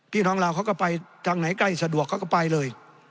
พี่น้องเราเขาก็ไปทางไหนใกล้สะดวกเขาก็ไปเลย